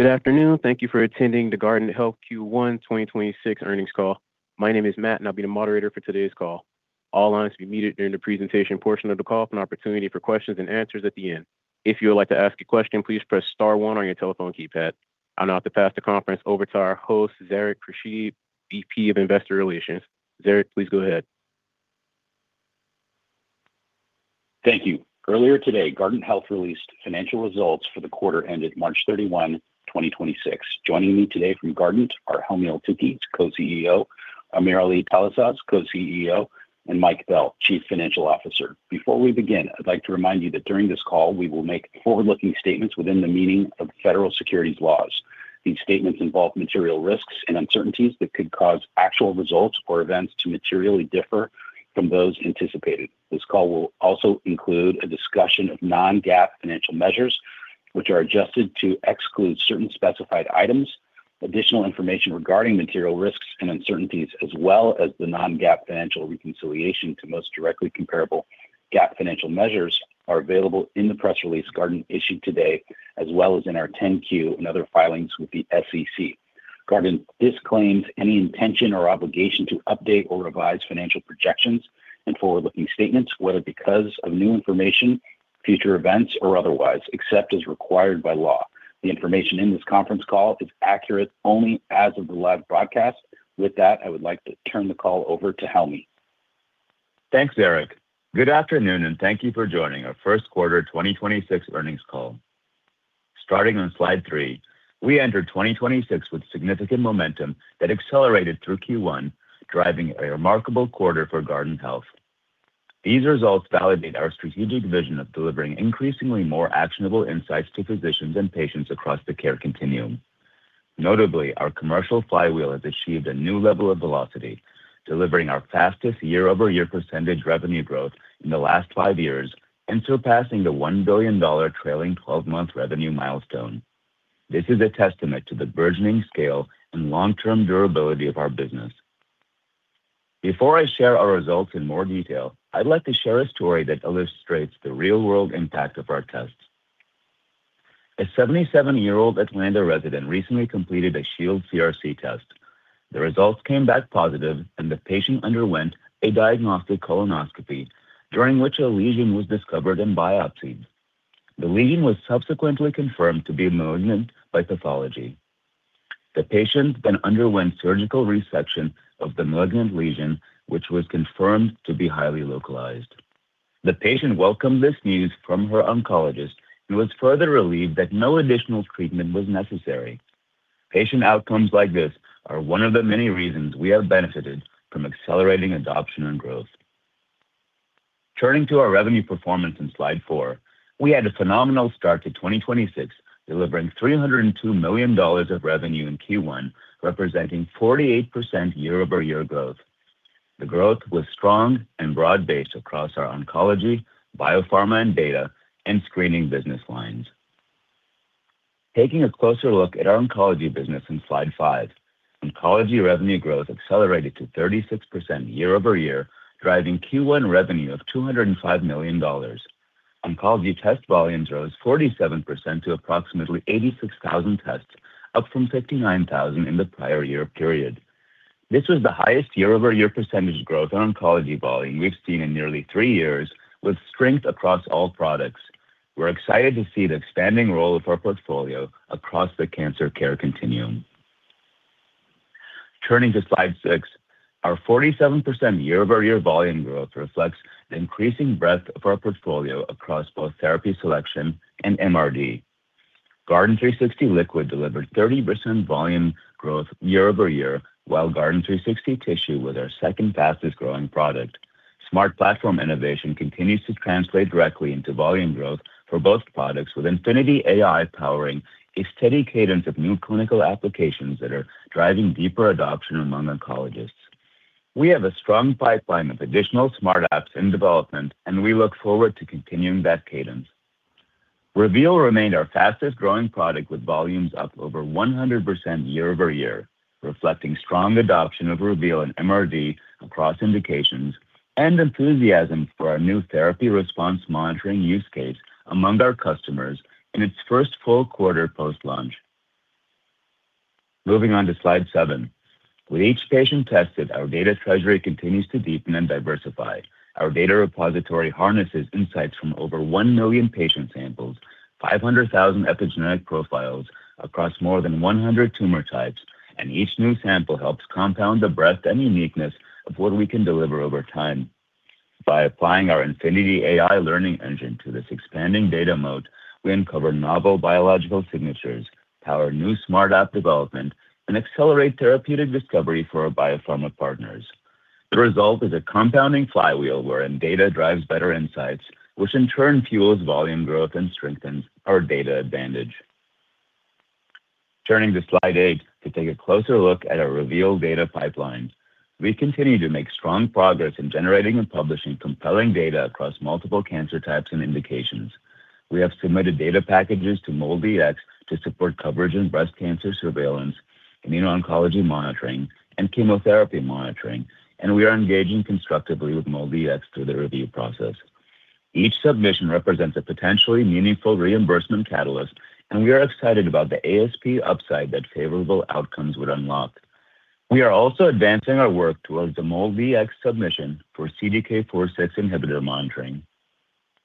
Good afternoon. Thank you for attending the Guardant Health Q1 2026 earnings call. My name is Matt, and I'll be the moderator for today's call. All lines will be muted during the presentation portion of the call with an opportunity for questions and answers at the end. If you would like to ask a question, please press star one on your telephone keypad. I'll now have to pass the conference over to our host, Zarak Khurshid, VP of Investor Relations. Zarak, please go ahead. Thank you. Earlier today, Guardant Health released financial results for the quarter ended March 31, 2026. Joining me today from Guardant are Helmy Eltoukhy, Co-CEO, AmirAli Talasaz, Co-CEO, and Mike Bell, Chief Financial Officer. Before we begin, I'd like to remind you that during this call we will make forward-looking statements within the meaning of federal securities laws. These statements involve material risks and uncertainties that could cause actual results or events to materially differ from those anticipated. This call will also include a discussion of non-GAAP financial measures, which are adjusted to exclude certain specified items. Additional information regarding material risks and uncertainties, as well as the non-GAAP financial reconciliation to most directly comparable GAAP financial measures, are available in the press release Guardant issued today, as well as in our 10-Q and other filings with the SEC. Guardant disclaims any intention or obligation to update or revise financial projections and forward-looking statements, whether because of new information, future events, or otherwise, except as required by law. The information in this conference call is accurate only as of the live broadcast. With that, I would like to turn the call over to Helmy. Thanks, Zarak. Good afternoon, and thank you for joining our first quarter 2026 earnings call. Starting on slide three, we entered 2026 with significant momentum that accelerated through Q1, driving a remarkable quarter for Guardant Health. These results validate our strategic vision of delivering increasingly more actionable insights to physicians and patients across the care continuum. Notably, our commercial flywheel has achieved a new level of velocity, delivering our fastest year-over-year percentage revenue growth in the last five years and surpassing the $1 billion trailing 12-month revenue milestone. This is a testament to the burgeoning scale and long-term durability of our business. Before I share our results in more detail, I'd like to share a story that illustrates the real-world impact of our tests. A 77-year-old Atlanta resident recently completed a Shield CRC test. The results came back positive, and the patient underwent a diagnostic colonoscopy during which a lesion was discovered and biopsied. The lesion was subsequently confirmed to be malignant by pathology. The patient underwent surgical resection of the malignant lesion, which was confirmed to be highly localized. The patient welcomed this news from her oncologist and was further relieved that no additional treatment was necessary. Patient outcomes like this are one of the many reasons we have benefited from accelerating adoption and growth. Turning to our revenue performance in slide four, we had a phenomenal start to 2026, delivering $302 million of revenue in Q1, representing 48% year-over-year growth. The growth was strong and broad-based across our oncology, biopharma and data, and screening business lines. Taking a closer look at our oncology business in slide five, oncology revenue growth accelerated to 36% year-over-year, driving Q1 revenue of $205 million. Oncology test volumes rose 47% to approximately 86,000 tests, up from 59,000 in the prior year period. This was the highest year-over-year percentage growth in oncology volume we've seen in nearly three years, with strength across all products. We're excited to see the expanding role of our portfolio across the cancer care continuum. Turning to slide six, our 47% year-over-year volume growth reflects the increasing breadth of our portfolio across both therapy selection and MRD. Guardant360 Liquid delivered 30% volume growth year-over-year, while Guardant360 Tissue was our second fastest-growing product. Smart Platform innovation continues to translate directly into volume growth for both products, with InfinityAI powering a steady cadence of new clinical applications that are driving deeper adoption among oncologists. We have a strong pipeline of additional Smart Apps in development, and we look forward to continuing that cadence. Reveal remained our fastest-growing product, with volumes up over 100% year-over-year, reflecting strong adoption of Reveal and MRD across indications and enthusiasm for our new therapy response monitoring use case among our customers in its first full quarter post-launch. Moving on to slide seven. With each patient tested, our data treasury continues to deepen and diversify. Our data repository harnesses insights from over 1 million patient samples, 500,000 epigenetic profiles across more than 100 tumor types, and each new sample helps compound the breadth and uniqueness of what we can deliver over time. By applying our InfinityAI learning engine to this expanding data moat, we uncover novel biological signatures, power new Smart Apps development, and accelerate therapeutic discovery for our biopharma partners. The result is a compounding flywheel wherein data drives better insights, which in turn fuels volume growth and strengthens our data advantage. Turning to slide eight to take a closer look at our Reveal data pipeline. We continue to make strong progress in generating and publishing compelling data across multiple cancer types and indications. We have submitted data packages to MolDX to support coverage in breast cancer surveillance, immuno-oncology monitoring, and chemotherapy monitoring, and we are engaging constructively with MolDX through the review process. Each submission represents a potentially meaningful reimbursement catalyst, and we are excited about the ASP upside that favorable outcomes would unlock. We are also advancing our work towards the MolDX submission for CDK 4/6 inhibitor monitoring.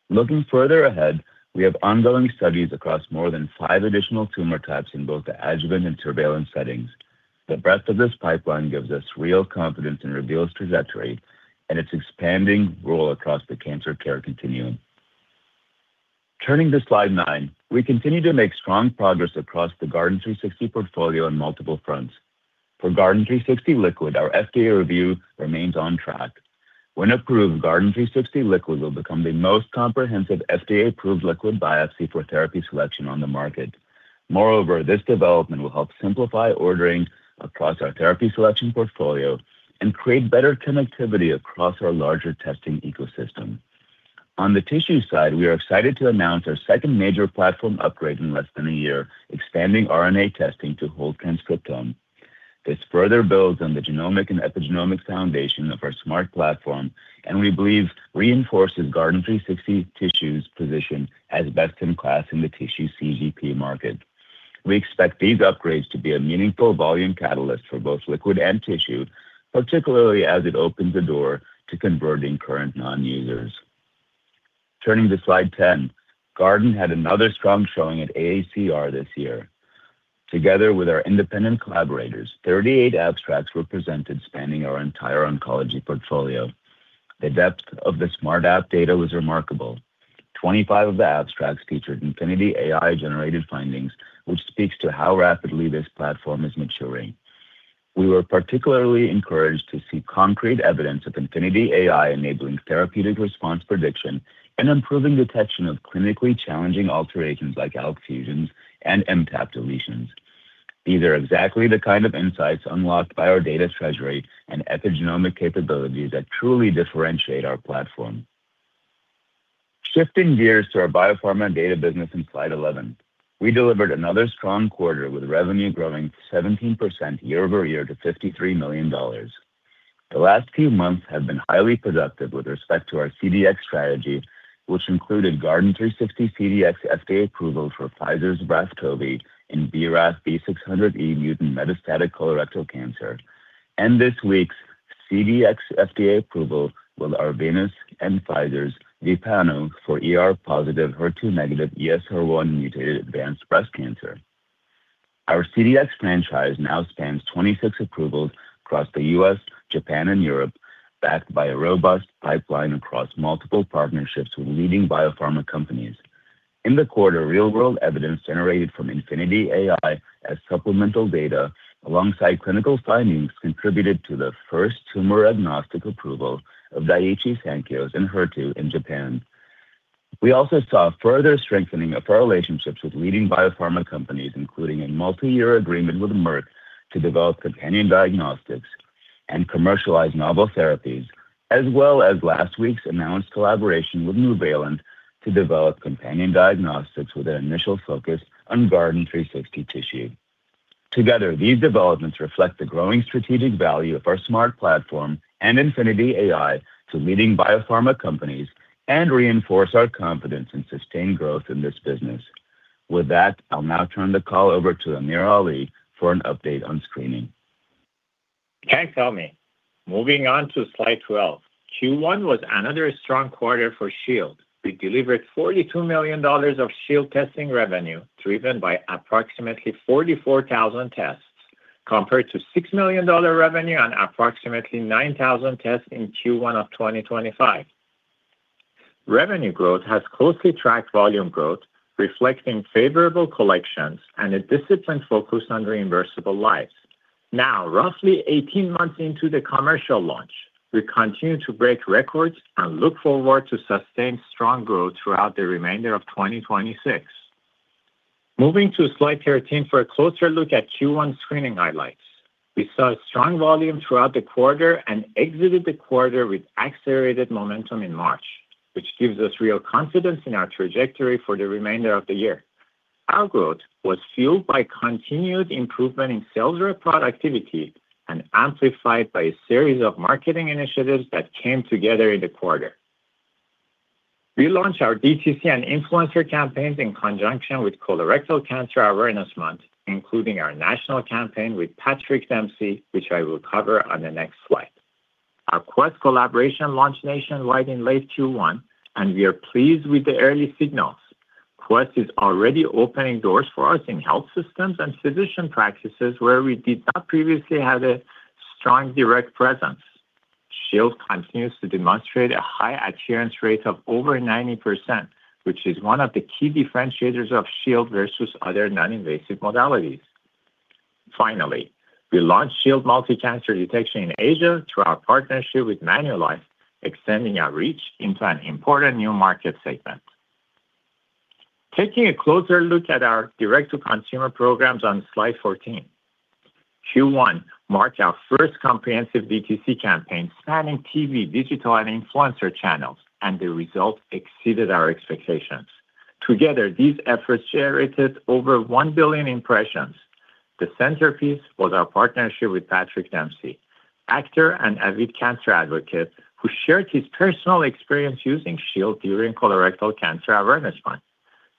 Looking further ahead, we have ongoing studies across more than five additional tumor types in both the adjuvant and surveillance settings. The breadth of this pipeline gives us real confidence in Reveal's trajectory and its expanding role across the cancer care continuum. Turning to slide nine, we continue to make strong progress across the Guardant360 portfolio on multiple fronts. For Guardant360 Liquid, our FDA review remains on track. When approved, Guardant360 Liquid will become the most comprehensive FDA-approved liquid biopsy for therapy selection on the market. This development will help simplify ordering across our therapy selection portfolio and create better connectivity across our larger testing ecosystem. On the tissue side, we are excited to announce our second major platform upgrade in less than a year, expanding RNA testing to whole transcriptome. This further builds on the genomic and epigenomic foundation of our Smart Platform, and we believe reinforces Guardant360 Tissue's position as best-in-class in the tissue CGP market. We expect these upgrades to be a meaningful volume catalyst for both liquid and tissue, particularly as it opens the door to converting current non-users. Turning to slide 10, Guardant had another strong showing at AACR this year. Together with our independent collaborators, 38 abstracts were presented spanning our entire oncology portfolio. The depth of the Smart Apps data was remarkable. 25 of the abstracts featured InfinityAI-generated findings, which speaks to how rapidly this platform is maturing. We were particularly encouraged to see concrete evidence of InfinityAI enabling therapeutic response prediction and improving detection of clinically challenging alterations like ALK fusions and MTAP deletions. These are exactly the kind of insights unlocked by our data treasury and epigenomic capabilities that truly differentiate our platform. Shifting gears to our biopharma data business in slide 11. We delivered another strong quarter with revenue growing 17% year-over-year to $53 million. The last few months have been highly productive with respect to our CDx strategy, which included Guardant360 CDx FDA approval for Pfizer's BRAFTOVI in BRAF V600E mutant metastatic colorectal cancer. This week's CDx FDA approval with Arvinas and Pfizer's VEPPANU for ER+, HER2-, ESR1-mutated advanced breast cancer. Our CDx franchise now spans 26 approvals across the U.S., Japan, and Europe, backed by a robust pipeline across multiple partnerships with leading biopharma companies. In the quarter, real-world evidence generated from InfinityAI as supplemental data alongside clinical findings contributed to the first tumor-agnostic approval of Daiichi Sankyo's ENHERTU in Japan. We also saw a further strengthening of our relationships with leading biopharma companies, including a multi-year agreement with Merck to develop companion diagnostics and commercialize novel therapies. As well as last week's announced collaboration with Nuvalent to develop companion diagnostics with an initial focus on Guardant360 Tissue. Together, these developments reflect the growing strategic value of our Smart Platform and InfinityAI to leading biopharma companies and reinforce our confidence in sustained growth in this business. With that, I'll now turn the call over to AmirAli for an update on screening. Thanks, Helmy. Moving on to slide 12. Q1 was another strong quarter for Shield. We delivered $42 million of Shield testing revenue, driven by approximately 44,000 tests, compared to $6 million revenue on approximately 9,000 tests in Q1 2025. Revenue growth has closely tracked volume growth, reflecting favorable collections and a disciplined focus on reimbursable lives. Now, roughly 18 months into the commercial launch, we continue to break records and look forward to sustained strong growth throughout the remainder of 2026. Moving to slide 13 for a closer look at Q1 screening highlights. We saw strong volume throughout the quarter and exited the quarter with accelerated momentum in March, which gives us real confidence in our trajectory for the remainder of the year. Our growth was fueled by continued improvement in sales rep productivity and amplified by a series of marketing initiatives that came together in the quarter. We launched our DTC and influencer campaigns in conjunction with Colorectal Cancer Awareness Month, including our national campaign with Patrick Dempsey, which I will cover on the next slide. Our Quest collaboration launched nationwide in late Q1, and we are pleased with the early signals. Quest is already opening doors for us in health systems and physician practices where we did not previously have a strong direct presence. Shield continues to demonstrate a high adherence rate of over 90%, which is one of the key differentiators of Shield versus other non-invasive modalities. Finally, we launched Shield multi-cancer detection in Asia through our partnership with Manulife, extending our reach into an important new market segment. Taking a closer look at our direct-to-consumer programs on slide 14. Q1 marked our first comprehensive DTC campaign spanning TV, digital, and influencer channels. The results exceeded our expectations. Together, these efforts generated over 1 billion impressions. The centerpiece was our partnership with Patrick Dempsey, actor and avid cancer advocate, who shared his personal experience using Shield during Colorectal Cancer Awareness Month.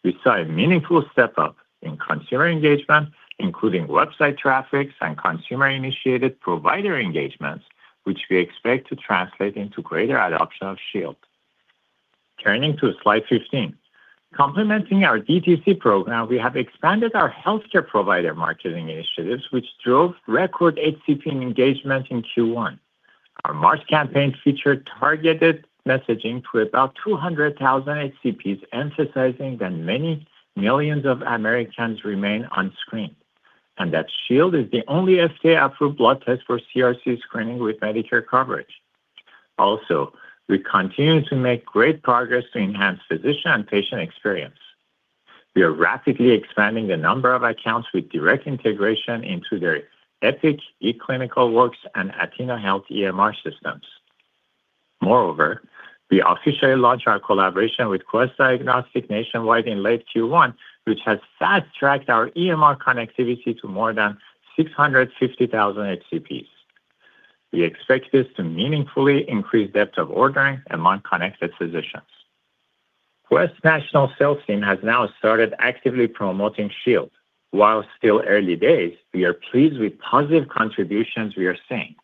We saw a meaningful step up in consumer engagement, including website traffics and consumer-initiated provider engagements, which we expect to translate into greater adoption of Shield. Turning to slide 15. Complementing our DTC program, we have expanded our healthcare provider marketing initiatives, which drove record HCP engagement in Q1. Our March campaign featured targeted messaging to about 200,000 HCPs, emphasizing that many millions of Americans remain unscreened. Shield is the only FDA-approved blood test for CRC screening with Medicare coverage. Also, we continue to make great progress to enhance physician and patient experience. We are rapidly expanding the number of accounts with direct integration into their Epic, eClinicalWorks, and athenahealth EMR systems. We officially launched our collaboration with Quest Diagnostics nationwide in late Q1, which has fast-tracked our EMR connectivity to more than 650,000 HCPs. We expect this to meaningfully increase depth of ordering among connected physicians. Quest national sales team has now started actively promoting Shield. While still early days, we are pleased with positive contributions we are seeing.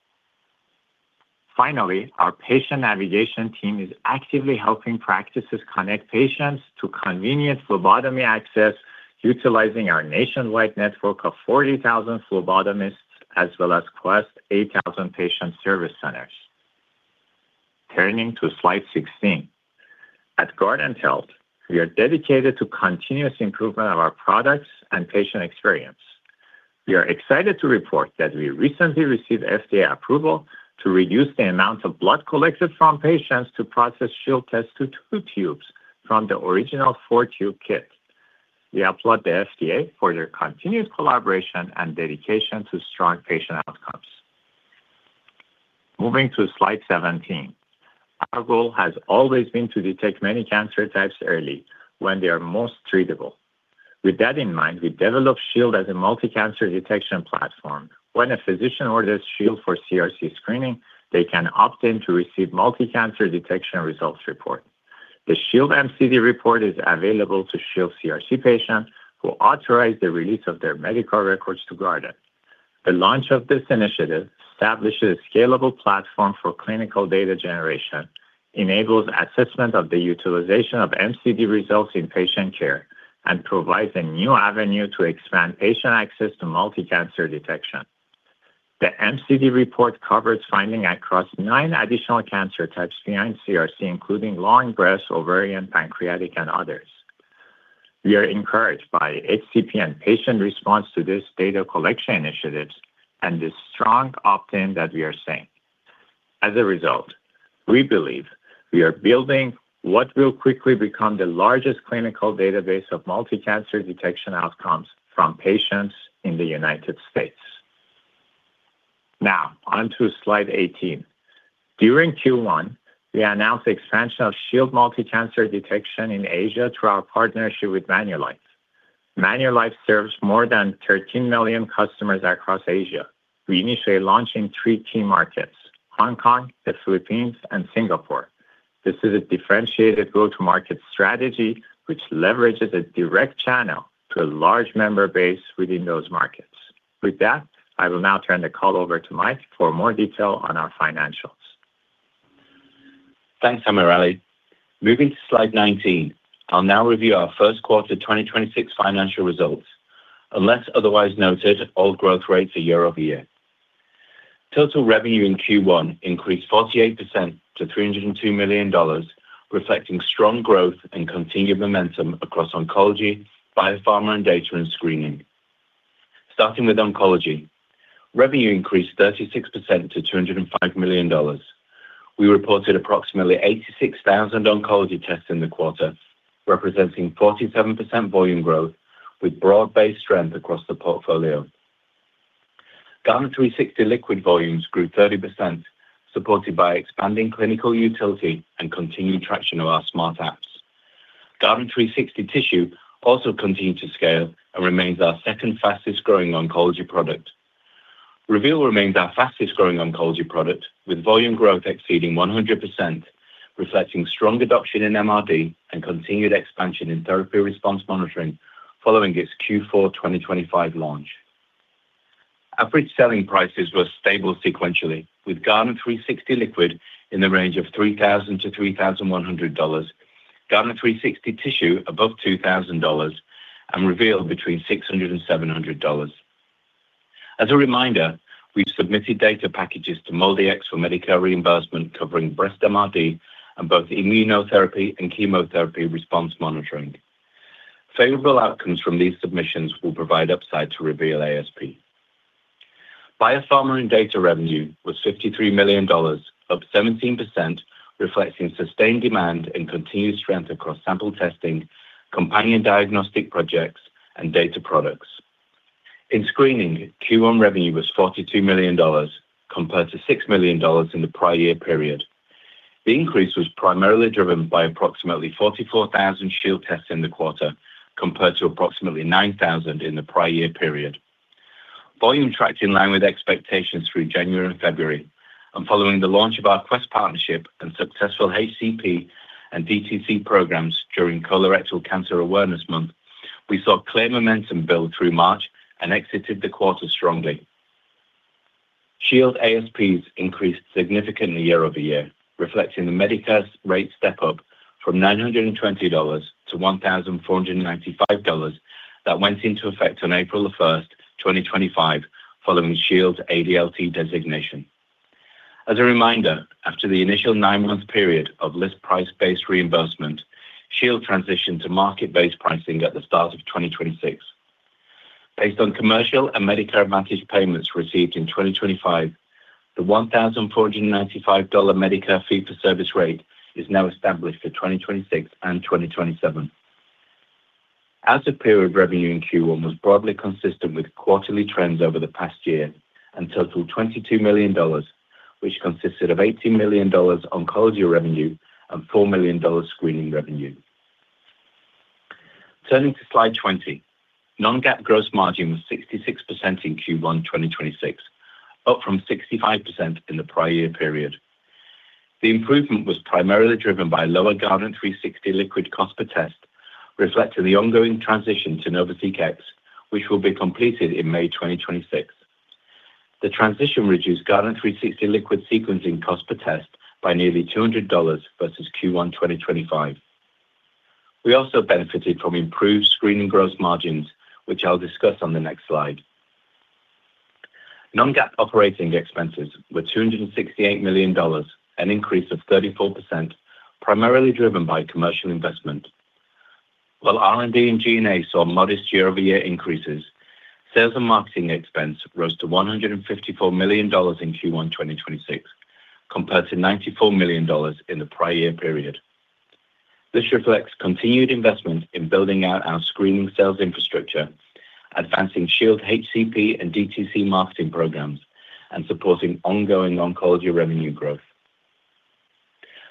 Our patient navigation team is actively helping practices connect patients to convenient phlebotomy access utilizing our nationwide network of 40,000 phlebotomists as well as Quest 8,000 patient service centers. Turning to slide 16. At Guardant Health, we are dedicated to continuous improvement of our products and patient experience. We are excited to report that we recently received FDA approval to reduce the amount of blood collected from patients to process Shield tests to two tubes from the original 4-tube kit. We applaud the FDA for their continuous collaboration and dedication to strong patient outcomes. Moving to slide 17. Our goal has always been to detect many cancer types early, when they are most treatable. With that in mind, we developed Shield as a multi-cancer detection platform. When a physician orders Shield for CRC screening, they can opt in to receive multi-cancer detection results report. The Shield MCD report is available to Shield CRC patients who authorize the release of their medical records to Guardant. The launch of this initiative establishes a scalable platform for clinical data generation, enables assessment of the utilization of MCD results in patient care, and provides a new avenue to expand patient access to multi-cancer detection. The MCD report covers finding across nine additional cancer types beyond CRC, including lung, breast, ovarian, pancreatic, and others. We are encouraged by HCP and patient response to this data collection initiatives and the strong opt-in that we are seeing. As a result, we believe we are building what will quickly become the largest clinical database of multi-cancer detection outcomes from patients in the United States. Now, onto slide 18. During Q1, we announced the expansion of Shield multi-cancer detection in Asia through our partnership with Manulife. Manulife serves more than 13 million customers across Asia. We initially launch in three key markets: Hong Kong, the Philippines, and Singapore. This is a differentiated go-to-market strategy which leverages a direct channel to a large member base within those markets. With that, I will now turn the call over to Mike for more detail on our financials. Thanks, AmirAli. Moving to slide 19. I'll now review our first quarter 2026 financial results. Unless otherwise noted, all growth rates are year-over-year. Total revenue in Q1 increased 48% to $302 million, reflecting strong growth and continued momentum across oncology, biopharma and data, and screening. Starting with oncology. Revenue increased 36% to $205 million. We reported approximately 86,000 oncology tests in the quarter, representing 47% volume growth with broad-based strength across the portfolio. Guardant360 Liquid volumes grew 30%, supported by expanding clinical utility and continued traction of our Smart Apps. Guardant360 Tissue also continued to scale and remains our second fastest-growing oncology product. Reveal remains our fastest-growing oncology product, with volume growth exceeding 100%, reflecting strong adoption in MRD and continued expansion in therapy response monitoring following its Q4 2025 launch. Average selling prices were stable sequentially, with Guardant360 Liquid in the range of $3,000-$3,100, Guardant360 Tissue above $2,000, and Reveal between $600-$700. As a reminder, we've submitted data packages to MolDX for Medicare reimbursement covering breast MRD and both immunotherapy and chemotherapy response monitoring. Favorable outcomes from these submissions will provide upside to Reveal ASP. Biopharma and data revenue was $53 million, up 17%, reflecting sustained demand and continued strength across sample testing, companion diagnostic projects, and data products. In screening, Q1 revenue was $42 million compared to $6 million in the prior year period. The increase was primarily driven by approximately 44,000 Shield tests in the quarter compared to approximately 9,000 in the prior year period. Volume tracked in line with expectations through January and February. Following the launch of our Quest partnership and successful HCP and DTC programs during Colorectal Cancer Awareness Month. We saw clear momentum build through March and exited the quarter strongly. Shield ASPs increased significantly year-over-year, reflecting the Medicare rate step-up from $920-$1,495 that went into effect on April 1, 2025, following Shield's ADLT designation. As a reminder, after the initial 9-month period of list price-based reimbursement, Shield transitioned to market-based pricing at the start of 2026. Based on commercial and Medicare Advantage payments received in 2025. The $1,495 Medicare fee for service rate is now established for 2026 and 2027. Out-of-period revenue in Q1 was broadly consistent with quarterly trends over the past year and totaled $22 million, which consisted of $18 million oncology revenue and $4 million screening revenue. Turning to slide 20. Non-GAAP gross margin was 66% in Q1 2026, up from 65% in the prior year period. The improvement was primarily driven by lower Guardant360 Liquid cost per test, reflecting the ongoing transition to NovaSeq X, which will be completed in May 2026. The transition reduced Guardant360 Liquid sequencing cost per test by nearly $200 versus Q1 2025. We also benefited from improved screening gross margins, which I'll discuss on the next slide. Non-GAAP operating expenses were $268 million, an increase of 34%, primarily driven by commercial investment. While R&D and G&A saw modest year-over-year increases, sales and marketing expense rose to $154 million in Q1 2026, compared to $94 million in the prior year period. This reflects continued investment in building out our screening sales infrastructure, advancing Shield HCP and DTC marketing programs, and supporting ongoing oncology revenue growth.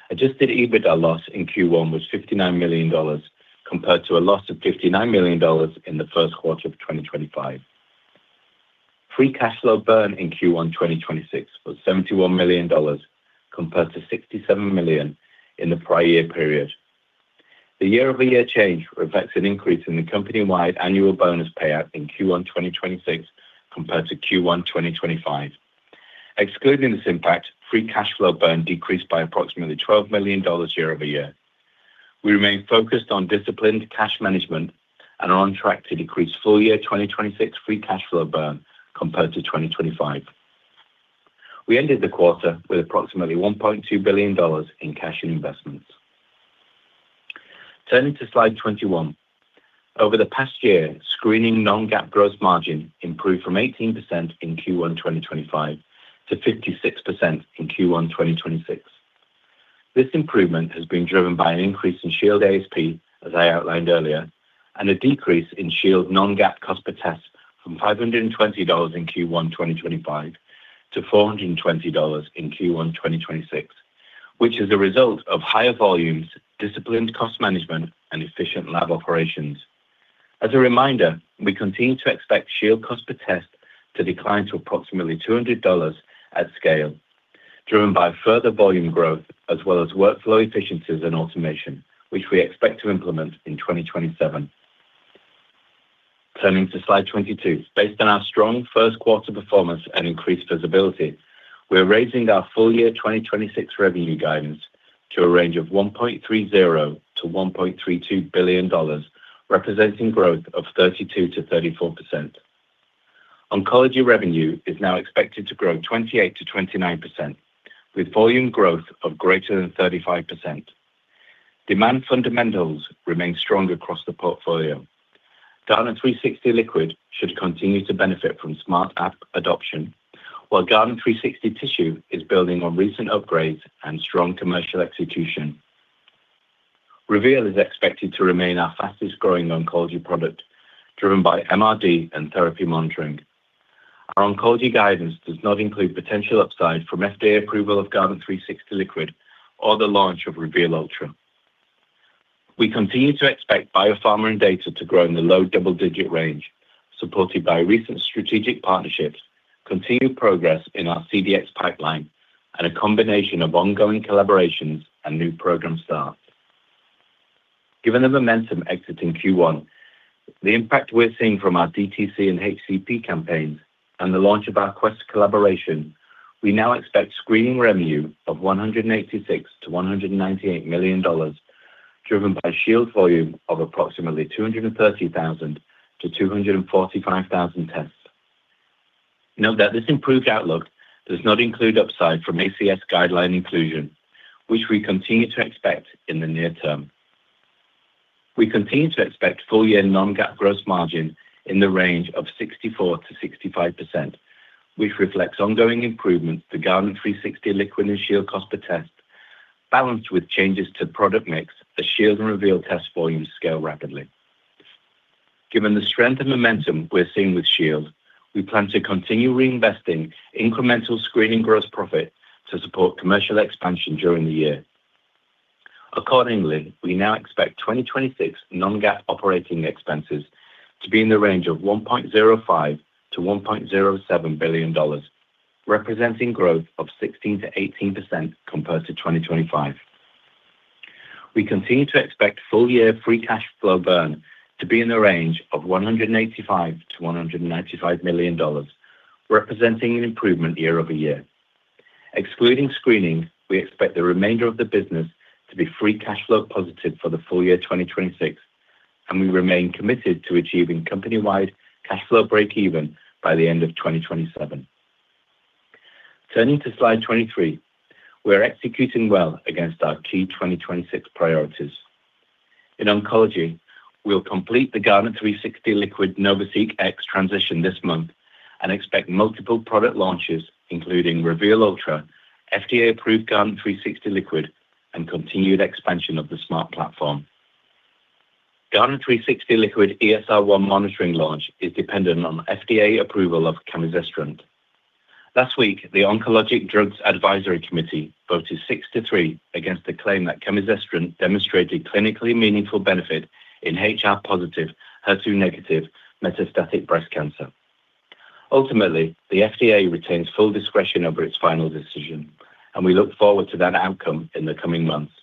Adjusted EBITDA loss in Q1 was $59 million compared to a loss of $59 million in the first quarter of 2025. Free cash flow burn in Q1 2026 was $71 million compared to $67 million in the prior year period. The year-over-year change reflects an increase in the company-wide annual bonus payout in Q1 2026 compared to Q1 2025. Excluding this impact, free cash flow burn decreased by approximately $12 million year-over-year. We remain focused on disciplined cash management and are on track to decrease full-year 2026 free cash flow burn compared to 2025. We ended the quarter with approximately $1.2 billion in cash and investments. Turning to slide 21. Over the past year, screening non-GAAP gross margin improved from 18% in Q1 2025 to 56% in Q1 2026. This improvement has been driven by an increase in Shield ASP, as I outlined earlier, and a decrease in Shield non-GAAP cost per test from $520 in Q1 2025 to $420 in Q1 2026, which is a result of higher volumes, disciplined cost management, and efficient lab operations. As a reminder, we continue to expect Shield cost per test to decline to approximately $200 at scale, driven by further volume growth as well as workflow efficiencies and automation, which we expect to implement in 2027. Turning to slide 22. Based on our strong first quarter performance and increased visibility, we're raising our full-year 2026 revenue guidance to a range of $1.30 billion-$1.32 billion, representing growth of 32%-34%. Oncology revenue is now expected to grow 28%-29%, with volume growth of greater than 35%. Demand fundamentals remain strong across the portfolio. Guardant360 Liquid should continue to benefit from Smart Apps adoption, while Guardant360 Tissue is building on recent upgrades and strong commercial execution. Reveal is expected to remain our fastest-growing oncology product, driven by MRD and therapy monitoring. Our oncology guidance does not include potential upside from FDA approval of Guardant360 Liquid or the launch of Reveal Ultra. We continue to expect biopharma and data to grow in the low double-digit range, supported by recent strategic partnerships, continued progress in our CDx pipeline, and a combination of ongoing collaborations and new program starts. Given the momentum exiting Q1, the impact we're seeing from our DTC and HCP campaigns, and the launch of our Quest collaboration, we now expect screening revenue of $186 million-$198 million, driven by Shield volume of approximately 230,000-245,000 tests. Note that this improved outlook does not include upside from ACS guideline inclusion, which we continue to expect in the near term. We continue to expect full-year non-GAAP gross margin in the range of 64%-65%, which reflects ongoing improvements to Guardant360 Liquid and Shield cost per test, balanced with changes to product mix as Shield and Reveal test volumes scale rapidly. Given the strength and momentum we're seeing with Shield, we plan to continue reinvesting incremental screening gross profit to support commercial expansion during the year. Accordingly, we now expect 2026 non-GAAP operating expenses to be in the range of $1.05 billion-$1.07 billion, representing growth of 16%-18% compared to 2025. We continue to expect full-year free cash flow burn to be in the range of $185 million-$195 million, representing an improvement year-over-year. Excluding screening, we expect the remainder of the business to be free cash flow positive for the full year 2026, and we remain committed to achieving company-wide cash flow breakeven by the end of 2027. Turning to slide 23, we are executing well against our key 2026 priorities. In oncology, we'll complete the Guardant360 Liquid NovaSeq X transition this month and expect multiple product launches, including Reveal Ultra, FDA-approved Guardant360 Liquid, and continued expansion of the Smart Platform. Guardant360 Liquid ESR1 monitoring launch is dependent on FDA approval of camizestrant. Last week, the Oncologic Drugs Advisory Committee voted six to three against the claim that camizestrant demonstrated clinically meaningful benefit in HR+, HER2- metastatic breast cancer. The FDA retains full discretion over its final decision, and we look forward to that outcome in the coming months.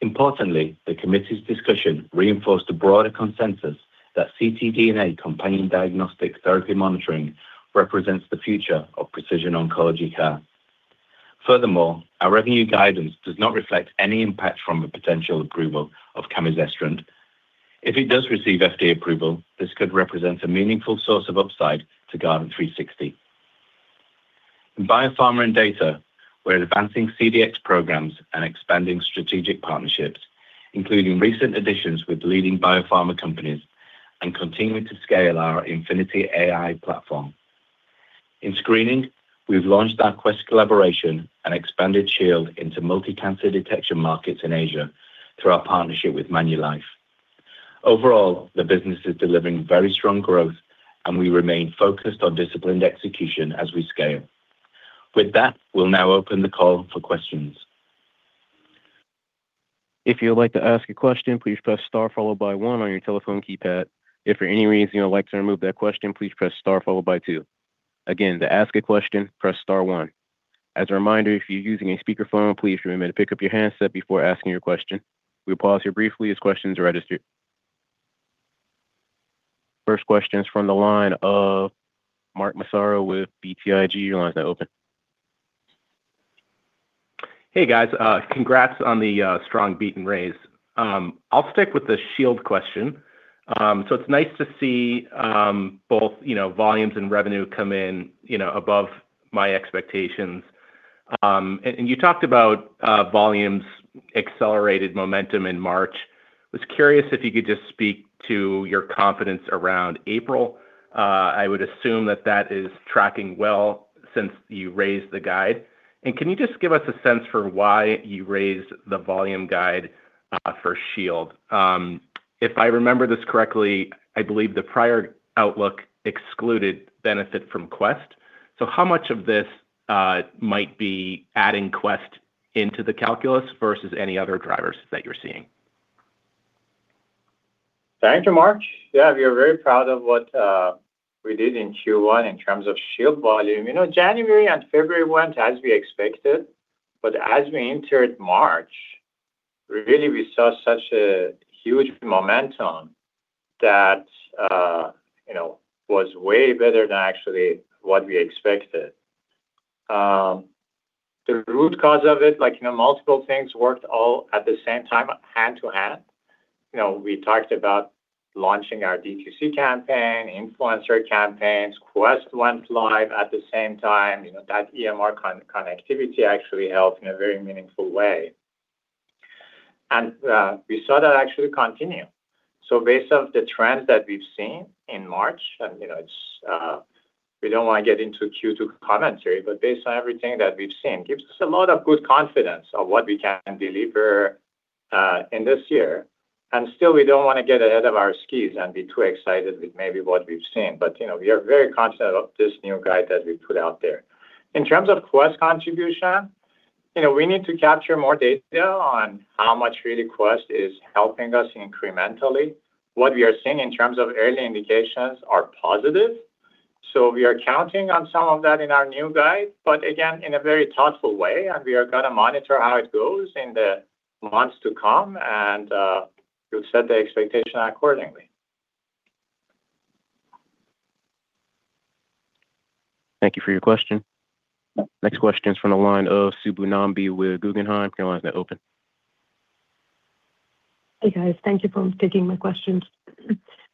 The committee's discussion reinforced a broader consensus that ctDNA companion diagnostic therapy monitoring represents the future of precision oncology care. Our revenue guidance does not reflect any impact from the potential approval of camizestrant. If it does receive FDA approval, this could represent a meaningful source of upside to Guardant360. In biopharma and data, we're advancing CDx programs and expanding strategic partnerships, including recent additions with leading biopharma companies and continuing to scale our InfinityAI platform. In screening, we've launched our Quest collaboration and expanded Shield into multi-cancer detection markets in Asia through our partnership with Manulife. The business is delivering very strong growth, and we remain focused on disciplined execution as we scale. We'll now open the call for questions. First question is from the line of Mark Massaro with BTIG. Your line is now open. Hey, guys. Congrats on the strong beat and raise. I'll stick with the Shield question. It's nice to see, you know, both, volumes and revenue come in above my expectations. You talked about volumes accelerated momentum in March. I was curious if you could just speak to your confidence around April. I would assume that that is tracking well since you raised the guide. Can you just give us a sense for why you raised the volume guide for Shield? If I remember this correctly, I believe the prior outlook excluded benefit from Quest. How much of this might be adding Quest into the calculus versus any other drivers that you're seeing? Thank you, Mark. Yeah, we are very proud of what we did in Q1 in terms of Shield volume. You know, January and February went as we expected. As we entered March, really we saw such a huge momentum that, you know, was way better than actually what we expected. The root cause of it, like, you know, multiple things worked all at the same time, hand to hand. You know, we talked about launching our D2C campaign, influencer campaigns. Quest went live at the same time. You know, that EMR connectivity actually helped in a very meaningful way. We saw that actually continue. Based on the trends that we've seen in March, and, you know, We don't want to get into Q2 commentary, but based on everything that we've seen, gives us a lot of good confidence of what we can deliver in this year. Still, we don't want to get ahead of our skis and be too excited with maybe what we've seen. You know, we are very confident of this new guide that we put out there. In terms of Quest contribution, you know, we need to capture more data on how much really Quest is helping us incrementally. What we are seeing in terms of early indications are positive. We are counting on some of that in our new guide. Again, in a very thoughtful way. We are gonna monitor how it goes in the months to come. We'll set the expectation accordingly. Thank you for your question. Next question is from the line of Subbu Nambi with Guggenheim. Your line is now open. Hey, guys. Thank you for taking my questions.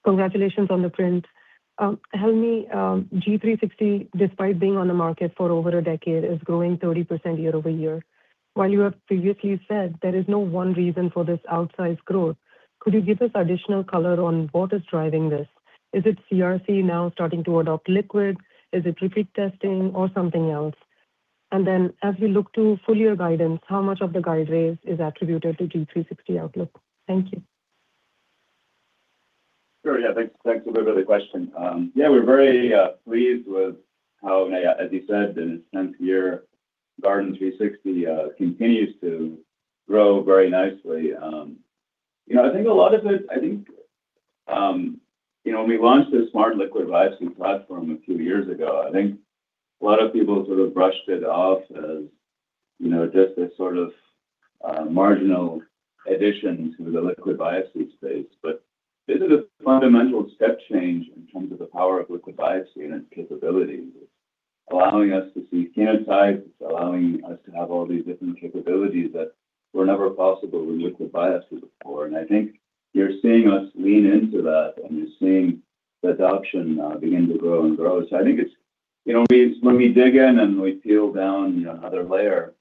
Congratulations on the print. Helmy, Guardant360, despite being on the market for over a decade, is growing 30% year-over-year. While you have previously said there is no one reason for this outsized growth, could you give us additional color on what is driving this? Is it CRC now starting to adopt liquid? Is it repeat testing or something else? Then as we look to full year guidance, how much of the guidance is attributed to Guardant360 outlook? Thank you Sure. Thanks a lot for the question. We're very pleased with how, as you said, in its 10th year, Guardant360 continues to grow very nicely. You know, I think a lot of it, I think, you know, when we launched the Smart Liquid Biopsy platform a few years ago, I think a lot of people sort of brushed it off as, you know, just this sort of marginal addition to the liquid biopsy space. This is a fundamental step change in terms of the power of liquid biopsy and its capabilities. It's allowing us to see cancer types. It's allowing us to have all these different capabilities that were never possible with liquid biopsies before. I think you're seeing us lean into that, and you're seeing the adoption begin to grow and grow. I think it's you know, when we dig in and we peel down another layer,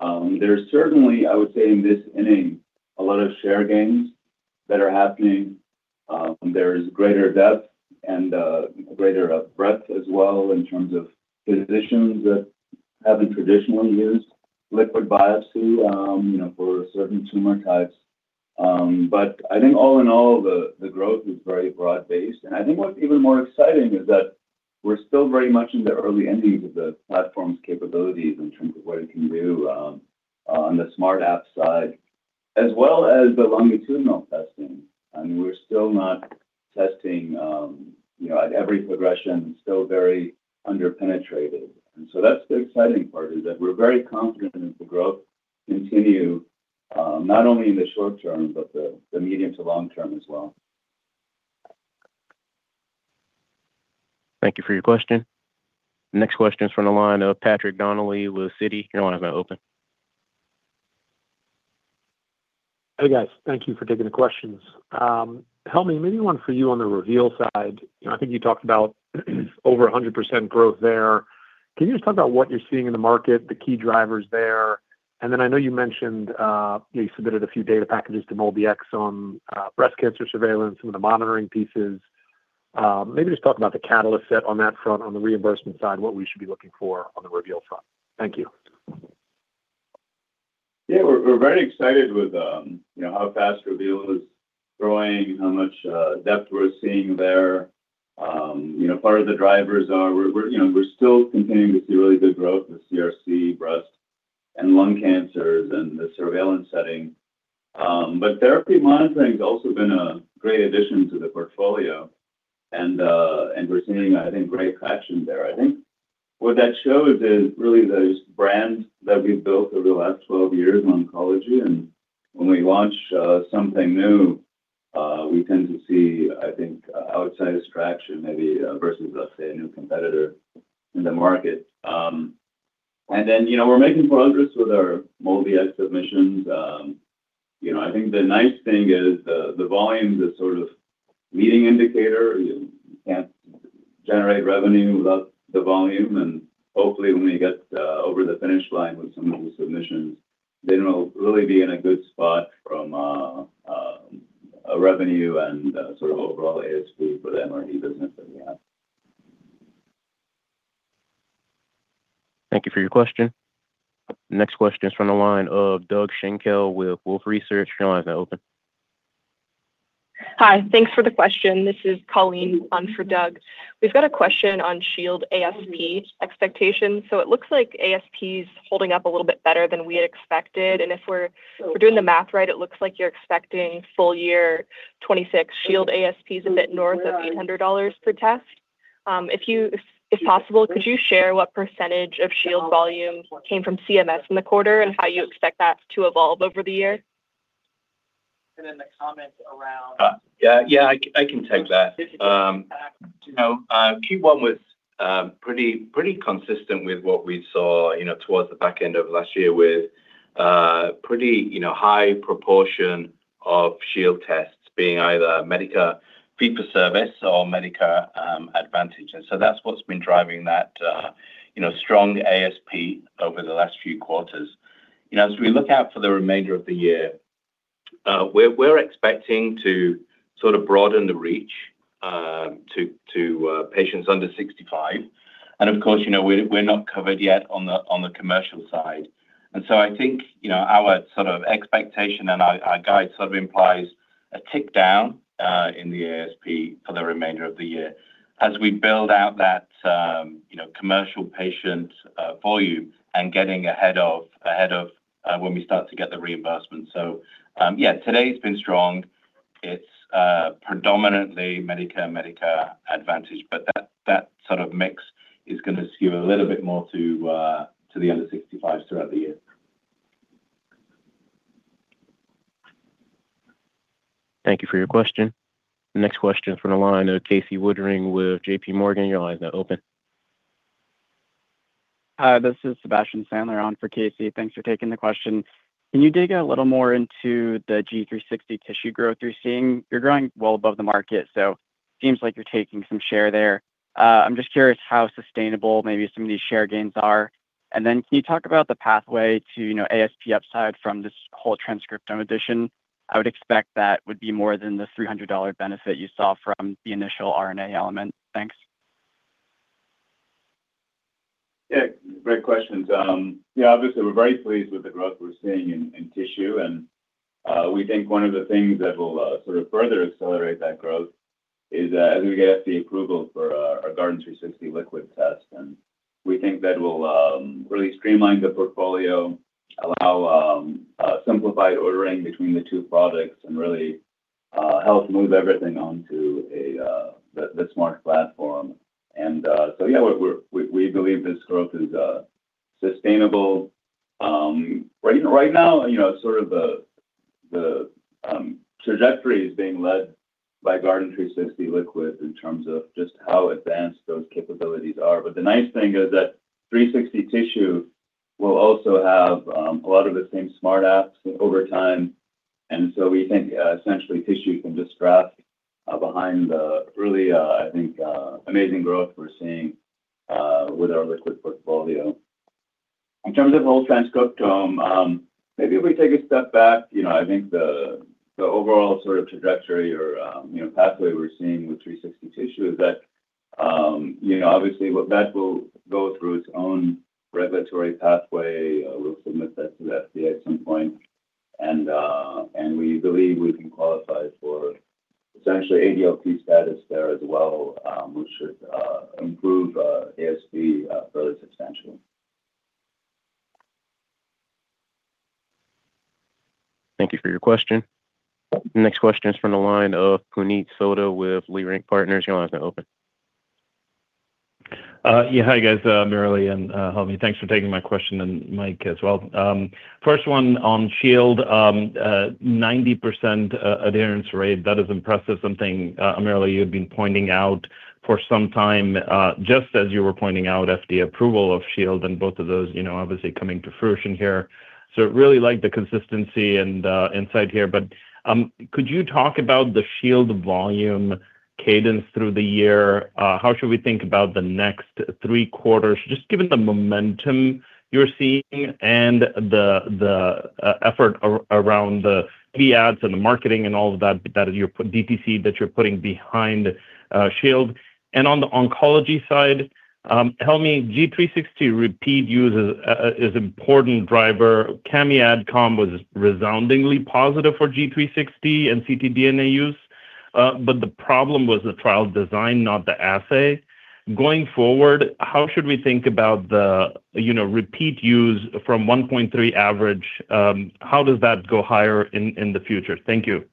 there's certainly, I would say in this inning, a lot of share gains that are happening. There is greater depth and greater breadth as well in terms of physicians that haven't traditionally used liquid biopsy, you know, for certain tumor types. I think all in all, the growth is very broad-based. I think what's even more exciting is that we're still very much in the early innings of the platform's capabilities in terms of what it can do on the Smart Apps side as well as the longitudinal testing. I mean, we're still not testing, you know, at every progression, still very under-penetrated. That's the exciting part, is that we're very confident the growth continue, not only in the short term, but the medium to long term as well. Thank you for your question. Next question is from the line of Patrick Donnelly with Citi. Your line is now open. Hey, guys. Thank you for taking the questions. Helmy, maybe one for you on the Reveal side. You know, I think you talked about over 100% growth there. Can you just talk about what you're seeing in the market, the key drivers there? I know you mentioned, you submitted a few data packages to MolDX on breast cancer surveillance and the monitoring pieces. Maybe just talk about the catalyst set on that front, on the reimbursement side, what we should be looking for on the Reveal front? Thank you. We're very excited with, you know, how fast Reveal is growing, how much depth we're seeing there. Part of the drivers are we're, you know, we're still continuing to see really good growth in CRC, breast, and lung cancers in the surveillance setting. Therapy monitoring's also been a great addition to the portfolio, and we're seeing, I think, great traction there. I think what that shows is really those brands that we've built over the last 12 years in oncology. When we launch something new, we tend to see, I think, outside distraction maybe, versus let's say a new competitor in the market. You know, we're making progress with our MolDX submissions. You know, I think the nice thing is the volume, the sort of leading indicator. You know, you can't generate revenue without the volume. Hopefully, when we get over the finish line with some of the submissions, then we'll really be in a good spot from a revenue and sort of overall ASP for the MRD business that we have. Thank you for your question. Next question is from the line of Doug Schenkel with Wolfe Research. Hi. Thanks for the question. This is Colleen on for Doug. We've got a question on Shield ASP expectations. It looks like ASP is holding up a little bit better than we had expected. If we're doing the math right, it looks like you're expecting full year 2026 Shield ASPs a bit north of $800 per test. If possible, could you share what percentage of Shield volume came from CMS in the quarter and how you expect that to evolve over the year? And then the comment around. Yeah, I can take that. You know, Q1 was pretty consistent with what we saw, you know, towards the back end of last year with pretty, you know, high proportion of Shield tests being either Medicare fee-for-service or Medicare Advantage. That's what's been driving that, you know, strong ASP over the last few quarters. You know, as we look out for the remainder of the year, we're expecting to sort of broaden the reach to patients under 65. Of course, you know, we're not covered yet on the commercial side. I think, you know, our sort of expectation and our guide sort of implies a tick down in the ASP for the remainder of the year as we build out that, you know, commercial patient volume and getting ahead of when we start to get the reimbursement. Yeah, today's been strong. It's predominantly Medicare Advantage, but that sort of mix is gonna skew a little bit more to the under 65s throughout the year. Thank you for your question. Next question from the line of Casey Woodring with JPMorgan. Your line is now open. Hi, this is Sebastian Sandler on for Casey. Thanks for taking the question. Can you dig a little more into the Guardant360 Tissue growth you're seeing? You're growing well above the market, seems like you're taking some share there. I'm just curious how sustainable maybe some of these share gains are. Can you talk about the pathway to, you know, ASP upside from this whole transcriptome addition? I would expect that would be more than the $300 benefit you saw from the initial RNA element? Thanks. Yeah, great questions. Obviously we're very pleased with the growth we're seeing in tissue. We think one of the things that will sort of further accelerate that growth is as we get FDA approval for our Guardant360 Liquid test. We think that will really streamline the portfolio, allow simplified ordering between the two products and really help move everything onto the Smart Platform. Yeah, we believe this growth is sustainable. Right now, you know, sort of the trajectory is being led by Guardant360 Liquid in terms of just how advanced those capabilities are. The nice thing is that Guardant360 Tissue will also have a lot of the same Smart Apps over time. We think, essentially tissue can just draft behind the really, I think, amazing growth we're seeing with our liquid portfolio. In terms of whole transcriptome, maybe if we take a step back, you know, I think the overall sort of trajectory or, you know, pathway we're seeing with Guardant360 Tissue is that, you know, obviously that will go through its own regulatory pathway. We'll submit that to the FDA at some point. We believe we can qualify for essentially ADLT status there as well, which should improve ASP further substantially. Thank you for your question. Next question is from the line of Puneet Souda with Leerink Partners. Your line is now open. Yeah, hi, guys, AmirAli and Helmy. Thanks for taking my question, and Mike as well. First one on Shield, 90% adherence rate, that is impressive, something AmirAli, you've been pointing out for some time. Just as you were pointing out FDA approval of Shield and both of those, you know, obviously coming to fruition here. Really like the consistency and insight here. Could you talk about the Shield volume cadence through the year? How should we think about the next three quarters, just given the momentum you're seeing and the effort around the key ads and the marketing and all of that you're putting behind DTC Shield? On the oncology side, Helmy, Guardant360 repeat users is important driver camizestrant AdCom was resoundingly positive for Guardant360 and ctDNA use. The problem was the trial design, not the assay. Going forward, how should we think about the, you know, repeat use from 1.3 average? How does that go higher in the future? Thank you.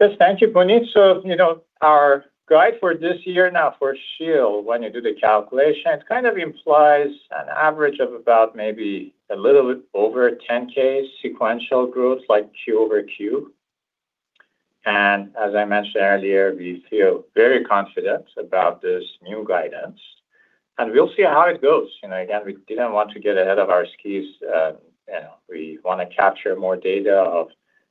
Yes, thank you, Puneet. You know, our guide for this year now for Shield, when you do the calculation, it kind of implies an average of about maybe a little over 10K sequential growth, like QoQ. As I mentioned earlier, we feel very confident about this new guidance. We'll see how it goes. You know, again, we didn't want to get ahead of our skis. You know, we want to capture more data of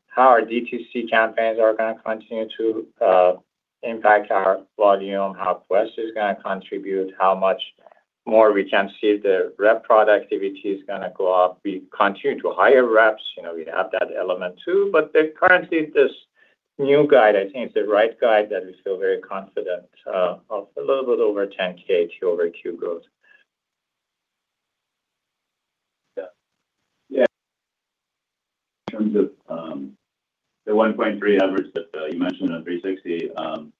how our DTC campaigns are going to continue to impact our volume. How Quest is going to contribute? How much more we can see the rep productivity is going to go up? We continue to hire reps, you know, we have that element too. Currently this new guide, I think is the right guide, that we feel very confident of a little bit over 10,000 QoQ growth. Yeah. Yeah. In terms of the 1.3 average that you mentioned on Guardant360,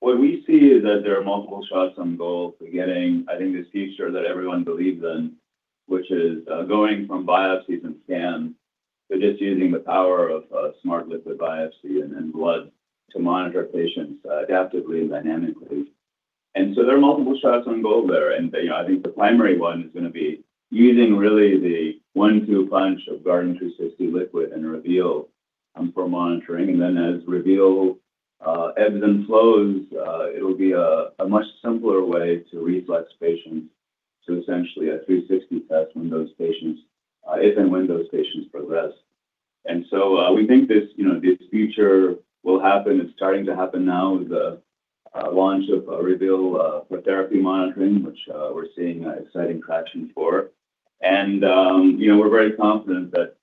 what we see is that there are multiple shots on goal for getting this future that everyone believes in, which is going from biopsies and scans to just using the power of Smart Liquid Biopsy and blood to monitor patients adaptively and dynamically. There are multiple shots on goal there. The primary one is gonna be using really the one-two punch of Guardant360 Liquid and Guardant Reveal for monitoring. As Guardant Reveal ebbs and flows, it'll be a much simpler way to reflex patients to essentially a Guardant360 test when those patients, if and when those patients progress. We think this, you know, this future will happen. It's starting to happen now with the launch of Reveal for therapy monitoring, which we're seeing exciting traction for. We're very confident that,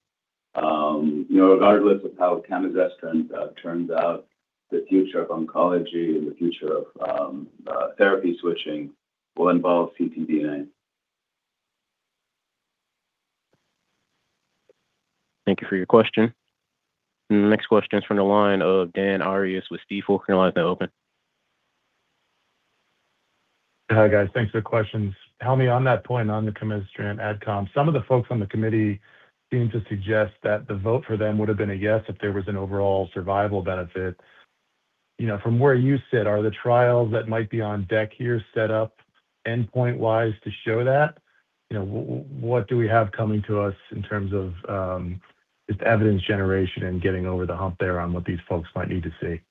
you know, regardless of how camizestrant turns out, the future of oncology and the future of therapy switching will involve ctDNA. Thank you for your question. Next question is from the line of Dan Arias with Stifel. Your line is now open. Hi, guys. Thanks for the questions. Helmy, on that point, on the camizestrant AdCom, some of the folks on the committee seemed to suggest that the vote for them would have been a yes if there was an overall survival benefit. You know, from where you sit, are the trials that might be on deck here set up endpoint wise to show that? You know, what do we have coming to us in terms of just evidence generation and getting over the hump there on what these folks might need to see?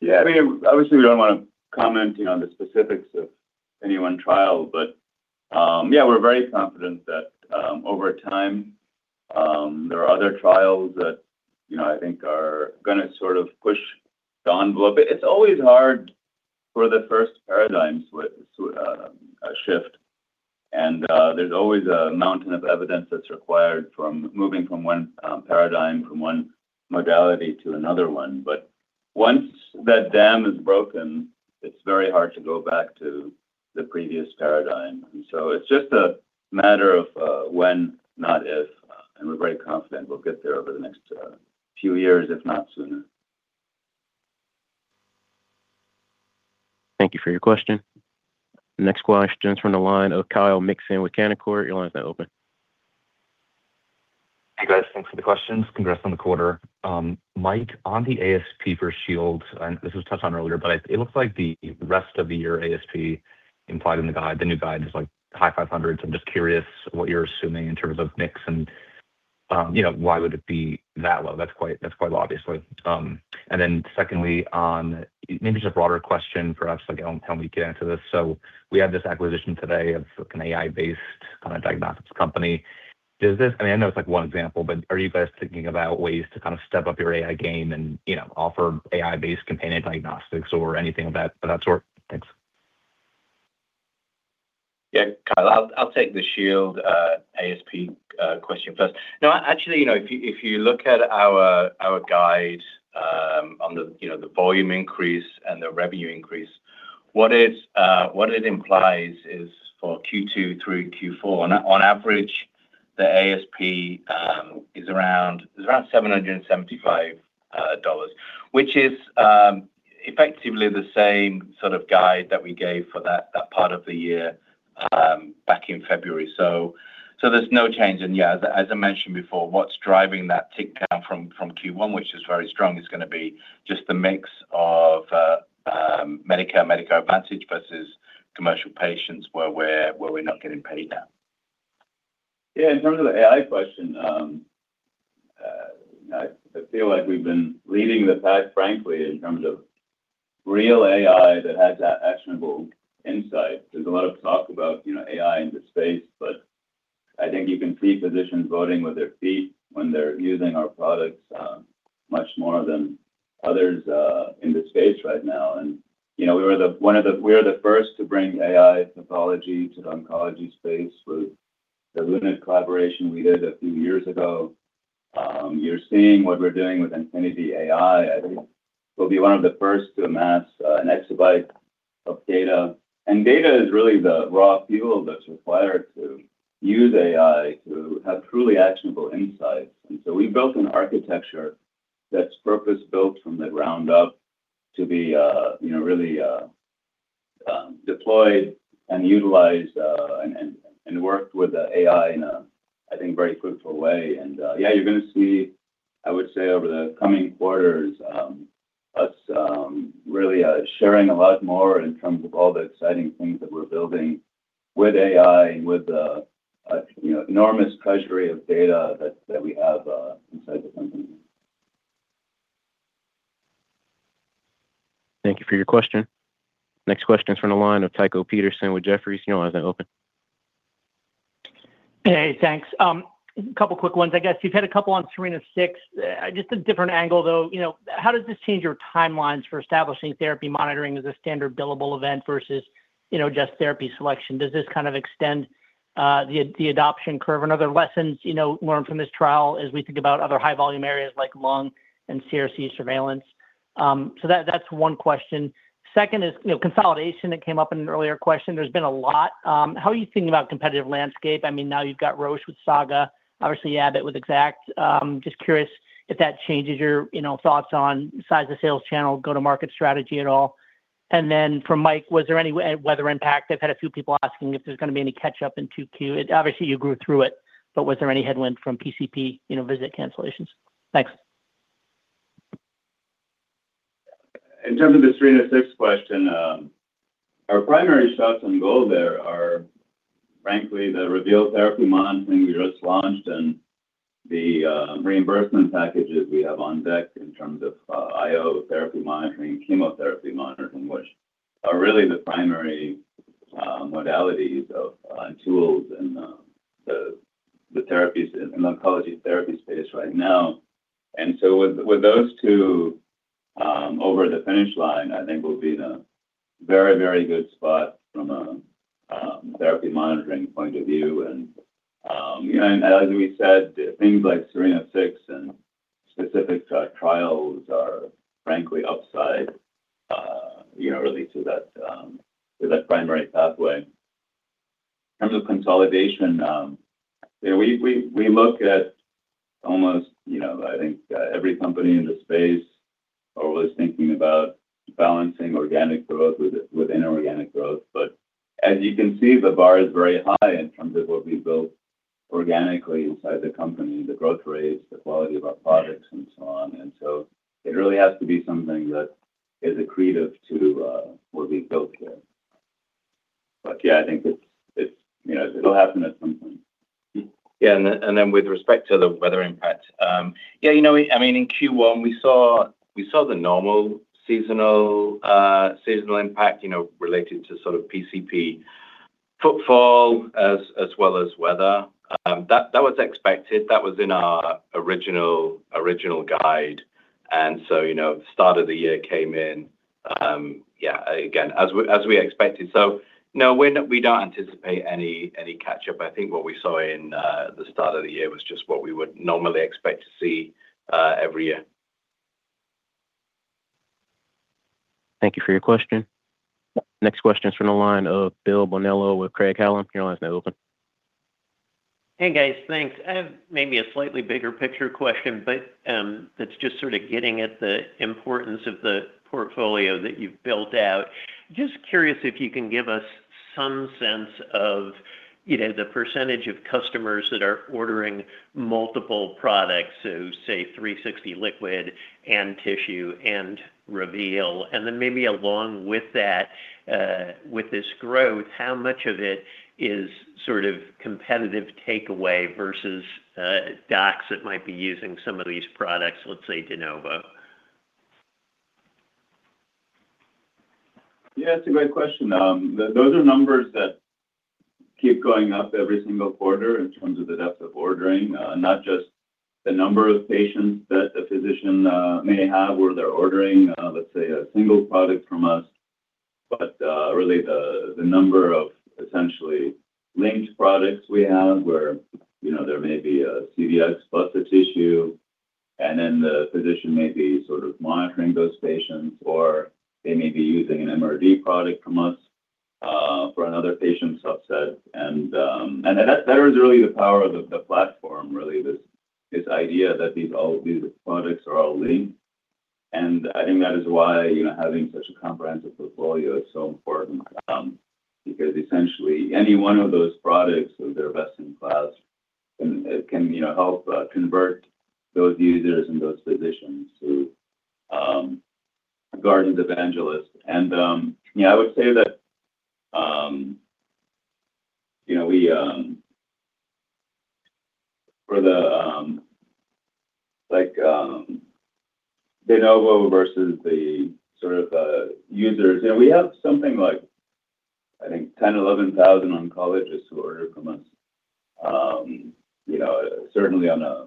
Yeah, I mean, obviously, we don't wanna comment, you know, on the specifics of any one trial. Yeah, we're very confident that over time, there are other trials that, you know, I think are gonna sort of push the envelope. It's always hard for the first paradigm shift, and there's always a mountain of evidence that's required from moving from one paradigm, from one modality to another one. Once that dam is broken, it's very hard to go back to the previous paradigm. It's just a matter of when, not if, and we're very confident we'll get there over the next few years, if not sooner. Thank you for your question. Next question is from the line of Kyle Mikson with Canaccord. Your line is now open. Hey, guys. Thanks for the questions. Congrats on the quarter. Mike, on the ASP for Shield, and this was touched on earlier, but it looks like the rest of the year ASP implied in the guide, the new guide is, like, high $500s. I'm just curious what you're assuming in terms of mix and, you know, why would it be that low? That's quite low, obviously. Secondly, on maybe just a broader question perhaps, like, I don't know how we would get into this. We have this acquisition today of an AI-based diagnostics company. Does this, I mean, I know it's, like, one example, but are you guys thinking about ways to kind of step up your AI game and, you know, offer AI-based companion diagnostics or anything of that sort? Thanks. Yeah, Kyle, I'll take the Shield ASP question first. No, actually, you know, if you look at our guide, on the, you know, the volume increase and the revenue increase, what it implies is for Q2 through Q4, on average, the ASP is around $775, which is effectively the same sort of guide that we gave for that part of the year, back in February. There's no change. Yeah, as I mentioned before, what's driving that tick down from Q1, which is very strong, is gonna be just the mix of Medicare Advantage versus commercial patients where we're not getting paid now. In terms of the AI question, I feel like we've been leading the pack, frankly, in terms of real AI that has actionable insight. There's a lot of talk about, you know, AI in the space, but I think you can see physicians voting with their feet when they're using our products, much more than others in the space right now. You know, we are the first to bring AI pathology to the oncology space with the Lunit collaboration we did a few years ago. You're seeing what we're doing with InfinityAI. I think we'll be one of the first to amass an exabyte of data. Data is really the raw fuel that's required to use AI to have truly actionable insights. We built an architecture that's purpose-built from the ground up to be, you know, really, deployed and utilized, and worked with the AI in a, I think, very fruitful way. Yeah, you're gonna see, I would say over the coming quarters, us, really, sharing a lot more in terms of all the exciting things that we're building with AI, with, you know, enormous treasury of data that we have, inside the company. Thank you for your question. Next question is from the line of Tycho Peterson with Jefferies. Your line is now open. Hey, thanks. A couple of quick ones. I guess you've had a couple on SERENA-6. Just a different angle, though. You know, how does this change your timelines for establishing therapy monitoring as a standard billable event versus, you know, just therapy selection? Does this kind of extend the adoption curve and other lessons, you know, learned from this trial as we think about other high volume areas like lung and CRC surveillance? That's one question. Second is, you know, consolidation that came up in an earlier question. There's been a lot. How are you thinking about competitive landscape? I mean, now you've got Roche with SAGA, or with Exact. Just curious if that changes your, you know, thoughts on size of sales channel, go-to-market strategy at all. For Mike, was there any weather impact? I've had a few people asking if there's gonna be any catch-up in 2Q. Obviously, you grew through it, but was there any headwind from PCP, you know, visit cancellations? Thanks. In terms of the SERENA-6 question, our primary shots on goal there are frankly the Reveal therapy monitoring we just launched and the reimbursement packages we have on deck in terms of IO therapy monitoring, chemotherapy monitoring, which are really the primary modalities of tools in the oncology therapy space right now. With those two over the finish line, I think we'll be in a very, very good spot from a therapy monitoring point of view. As we said, things like SERENA-6 and specific trials are frankly upside, you know, really to that primary pathway. In terms of consolidation, you know, we look at almost, you know, I think, every company in the space are always thinking about balancing organic growth with inorganic growth. As you can see, the bar is very high in terms of what we built organically inside the company, the growth rates, the quality of our products, and so on. It really has to be something that is accretive to what we built here. Yeah, I think it's, you know, it'll happen at some point. Yeah. Then with respect to the weather impact, you know, I mean, in Q1, we saw the normal seasonal impact, you know, related to sort of PCP. Footfall as well as weather. That was expected. That was in our original guide. You know, start of the year came in, yeah, again, as we expected. No, we don't anticipate any catch-up. I think what we saw in the start of the year was just what we would normally expect to see every year. Thank you for your question. Next question is from the line of Bill Bonello with Craig-Hallum. Your line is now open. Hey, guys. Thanks. I have maybe a slightly bigger picture question, but that's just sort of getting at the importance of the portfolio that you've built out. Just curious if you can give us some sense of, you know, the percentage of customers that are ordering multiple products, so say Guardant360 Liquid and Guardant360 Tissue and Reveal. Maybe along with that, with this growth, how much of it is sort of competitive takeaway versus docs that might be using some of these products, let's say de novo? Yeah, it's a great question. Those are numbers that keep going up every single quarter in terms of the depth of ordering, not just the number of patients that a physician may have where they're ordering, let's say a single product from us. Really the number of essentially linked products we have where, you know, there may be a CDx plus Guardant Tissue, and then the physician may be sort of monitoring those patients, or they may be using an MRD product from us for another patient subset. That is really the power of the platform really, this idea that these products are all linked. I think that is why, you know, having such a comprehensive portfolio is so important, because essentially any one of those products of their best in class can, you know, help convert those users and those physicians who are Guardant evangelists. You know, I would say that, you know, we, for the, like, de novo versus the sort of users. You know, we have something like, I think 10,000 oncologists-11,000 oncologists who order from us, you know, certainly on a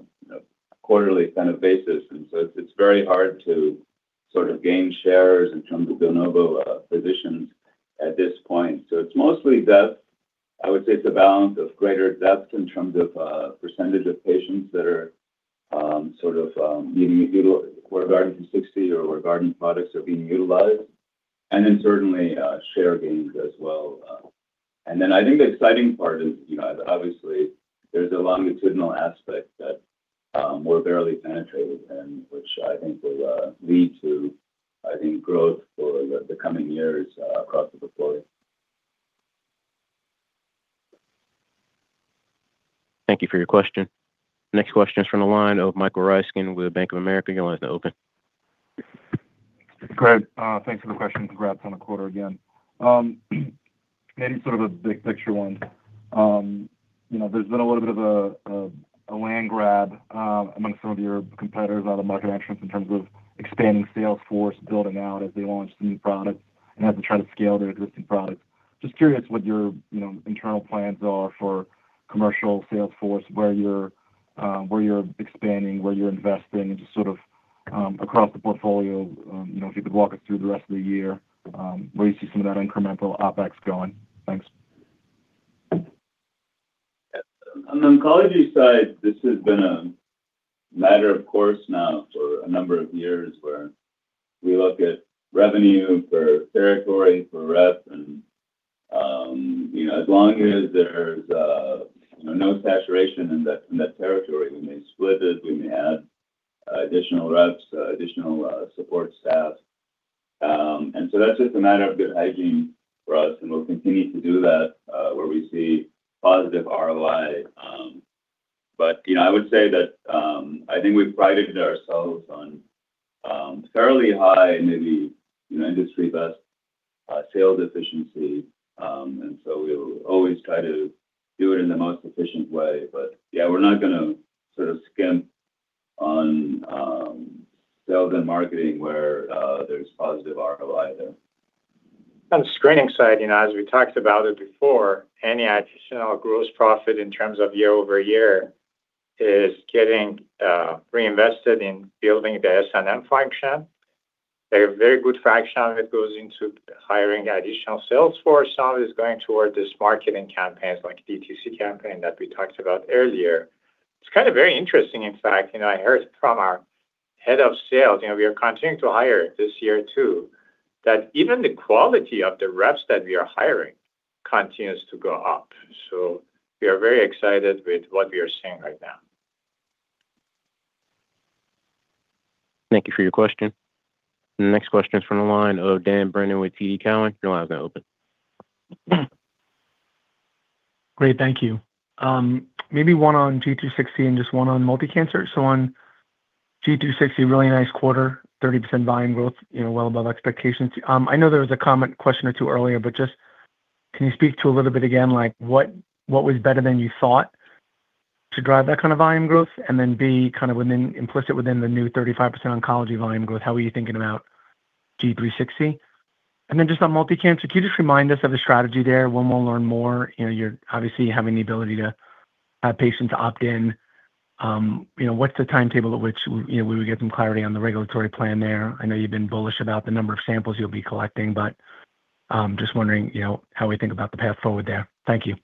quarterly kind of basis. It's very hard to sort of gain shares in terms of de novo physicians at this point. It's mostly depth. I would say it's a balance of greater depth in terms of, percentage of patients that are, sort of, where Guardant360 or where Guardant products are being utilized, and then certainly, share gains as well. I think the exciting part is, you know, obviously there's a longitudinal aspect that, we're barely penetrated and which I think will, lead to, I think, growth for the coming years, across the portfolio. Thank you for your question. Next question is from the line of Michael Ryskin with Bank of America. Your line is now open. Greg, thanks for the question. Congrats on the quarter again. Maybe sort of a big picture one. You know, there's been a little bit of a land grab among some of your competitors out of market entrants in terms of expanding sales force, building out as they launch new products and as they try to scale their existing products. Just curious what your, you know, internal plans are for commercial sales force, where you're expanding, where you're investing, and just sort of across the portfolio, you know, if you could walk us through the rest of the year, where you see some of that incremental OpEx going? Thanks. On the oncology side, this has been a matter, of course now for a number of years, where we look at revenue per territory, per rep, and, you know, as long as there's, you know, no saturation in that territory, we may split it. We may add additional reps, additional support staff. That's just a matter of good hygiene for us, and we'll continue to do that where we see positive ROI. You know, I would say that, I think we prided ourselves on, fairly high, maybe, you know, industry-best, sales efficiency. We'll always try to do it in the most efficient way. Yeah, we're not gonna sort of skimp on sales and marketing where there's positive ROI there. On the screening side, you know, as we talked about it before, any additional gross profit in terms of year-over-year is getting reinvested in building the S&M function. A very good fraction of it goes into hiring additional sales force. Some is going toward these marketing campaigns, like DTC campaign that we talked about earlier. It's kind of very interesting, in fact. You know, I heard from our head of sales, you know, we are continuing to hire this year too, that even the quality of the reps that we are hiring continues to go up. We are very excited with what we are seeing right now. Thank you for your question. The next question is from the line of Dan Brennan with TD Cowen. Your line is now open. Great. Thank you. Maybe one on Guardant360 and just one on multi-cancer. On Guardant360, really nice quarter, 30% volume growth, you know, well above expectations. I know there was a comment question or two earlier. But just can you speak to a little bit again, like what was better than you thought to drive that kind of volume growth? And then B, kind of within, implicit within the new 35% oncology volume growth, how are you thinking about Guardant360? Just on multi-cancer, can you just remind us of the strategy there? When we'll learn more? You know, you're obviously having the ability to have patients opt in. You know, what's the timetable at which we, you know, we would get some clarity on the regulatory plan there? I know you've been bullish about the number of samples you'll be collecting, but, just wondering, you know, how we think about the path forward there. Thank you.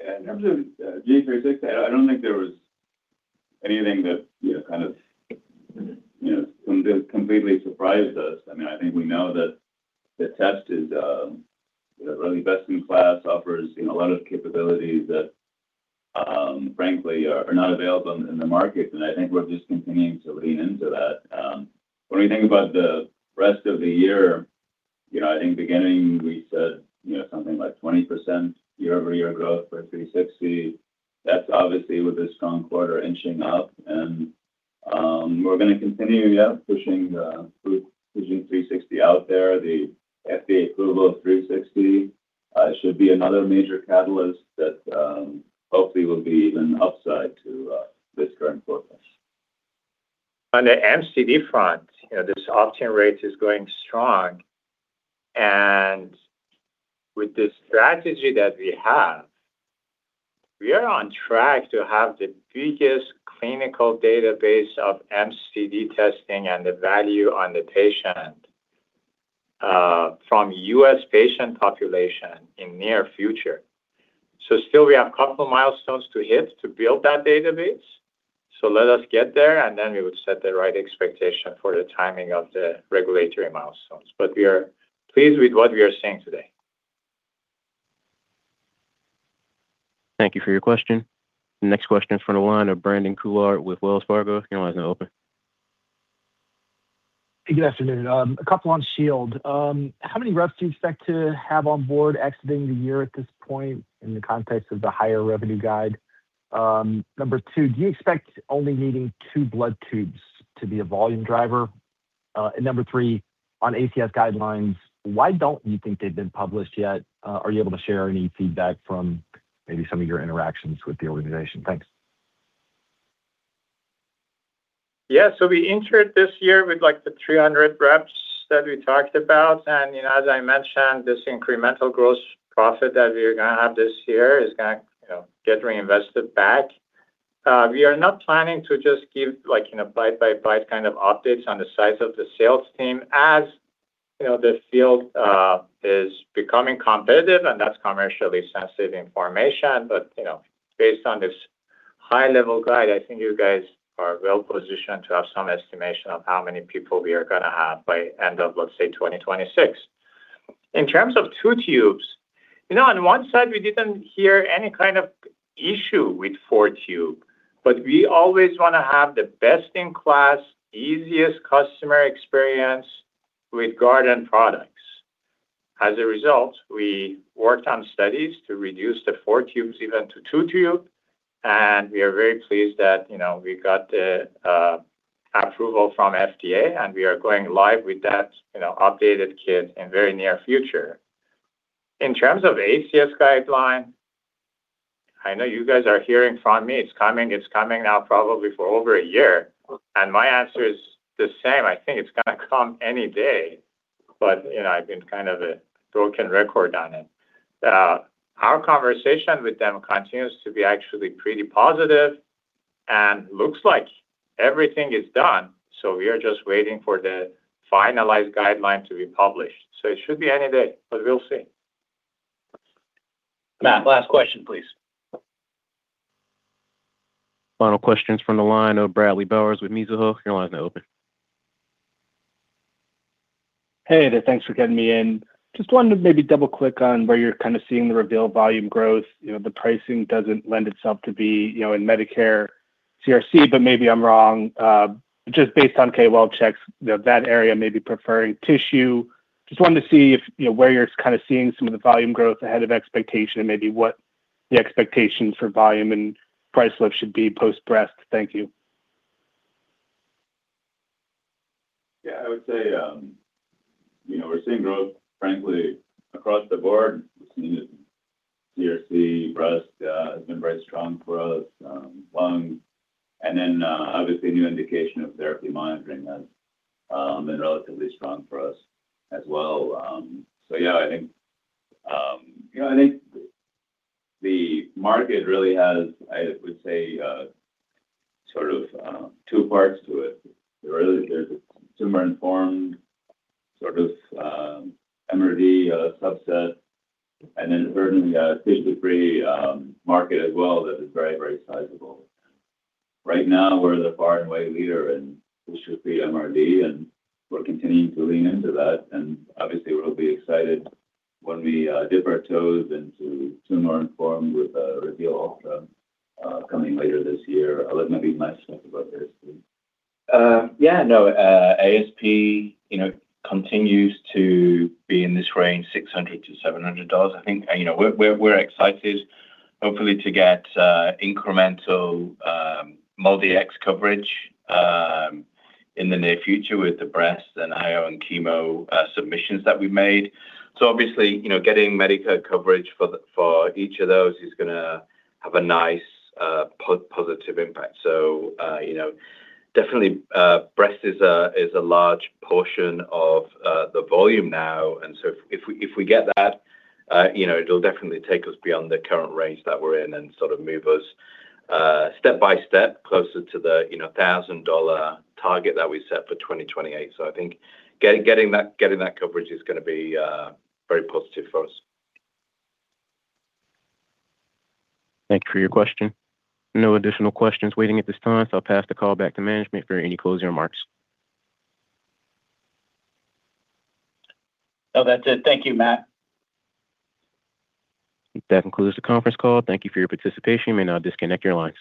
In terms of Guardant360, I don't think there was anything that, you know, kind of, you know, completely surprised us. I mean, I think we know that the test is, you know, really best in class, offers, you know, a lot of capabilities that frankly are not available in the market, and I think we're just continuing to lean into that. When we think about the rest of the year, you know, I think beginning we said, you know, something like 20% year-over-year growth for Guardant360. That's obviously with a strong quarter inching up. We're gonna continue, yeah, pushing the Guardant360 out there, the FDA approval of Guardant360 should be another major catalyst that hopefully will be even upside to this current forecast. On the MCD front, you know, this opt-in rate is going strong. With the strategy that we have, we are on track to have the biggest clinical database of MCD testing and the value on the patient from U.S. patient population in near future. Still we have couple milestones to hit to build that database. Let us get there, and then we would set the right expectation for the timing of the regulatory milestones. We are pleased with what we are seeing today. Thank you for your question. Next question is from the line of Brandon Couillard with Wells Fargo. Your line is now open. Good afternoon. A couple on Shield. How many reps do you expect to have on board exiting the year at this point in the context of the higher revenue guide? Number two, do you expect only needing two blood tubes to be a volume driver? Number three, on ACS guidelines, why don't you think they've been published yet? Are you able to share any feedback from maybe some of your interactions with the organization? Thanks. Yeah. We entered this year with, like, the 300 reps that we talked about. You know, as I mentioned, this incremental gross profit that we're gonna have this year is gonna, you know, get reinvested back. We are not planning to just give like, you know, bite by bite kind of updates on the size of the sales team as, you know, this field is becoming competitive, and that's commercially sensitive information. You know, based on this high-level guide, I think you guys are well positioned to have some estimation of how many people we are gonna have by end of, let's say, 2026. In terms of two tubes, you know, on one side, we didn't hear any kind of issue with 4-tube, but we always wanna have the best-in-class, easiest customer experience with Guardant products. As a result, we worked on studies to reduce the 4-tube even to two tubes, we are very pleased that, you know, we got the approval from FDA, we are going live with that, you know, updated kit in very near future. In terms of ACS guideline, I know you guys are hearing from me, it's coming, it's coming now probably for over one year. My answer is the same. I think it's gonna come any day. You know, I've been kind of a broken record on it. Our conversation with them continues to be actually pretty positive and looks like everything is done. We are just waiting for the finalized guideline to be published. It should be any day, we'll see. Matt, last question, please. Final questions from the line of Bradley Bowers with Mizuho. Your line is now open. Hey, there. Thanks for getting me in. Just wanted to maybe double-click on where you're kind of seeing the Reveal volume growth. You know, the pricing doesn't lend itself to be, you know, in Medicare CRC, but maybe I'm wrong. Just based on channel checks, you know, that area may be preferring tissue. Just wanted to see if, you know, where you're kind of seeing some of the volume growth ahead of expectation and maybe what the expectation for volume and price lift should be post-breast. Thank you. Yeah, I would say, you know, we're seeing growth frankly across the board. We're seeing it CRC, breast, has been very strong for us, lung, and then obviously new indication of therapy monitoring has been relatively strong for us as well. Yeah, I think the market really has, I would say, sort of two parts to it. There really is a tumor-informed sort of MRD subset, and then certainly a tissue-free market as well that is very, very sizable. Right now, we're the far and away leader in tissue-free MRD, and we're continuing to lean into that. Obviously, we'll be excited when we dip our toes into tumor-informed with Reveal coming later this year. I'll let Mike speak about this too. Yeah, no, ASP, you know, continues to be in this range, $600-$700. I think, you know, we're excited hopefully to get incremental MolDX coverage in the near future with the breast and IO and chemo submissions that we made. Obviously, you know, getting Medicare coverage for the, for each of those is gonna have a nice, positive impact. You know, definitely, breast is a large portion of the volume now. If we get that, you know, it'll definitely take us beyond the current range that we're in and sort of move us step by step closer to the, you know, $1,000 target that we set for 2028. I think getting that coverage is going to be very positive for us. Thank you for your question. No additional questions waiting at this time. I'll pass the call back to management for any closing remarks. No, that's it. Thank you, Matt. That concludes the conference call. Thank you for your participation. You may now disconnect your lines.